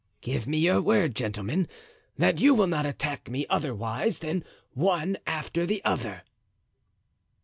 "Give me your word, gentlemen, that you will not attack me otherwise than one after the other."